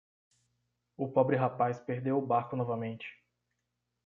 O pobre rapaz perdeu o barco novamente.